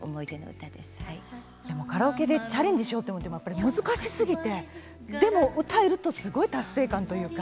カラオケでチャレンジしようと思っても難しすぎてでも歌えると達成感というか。